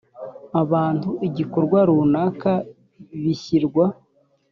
abantu igikorwa runaka bishyirwa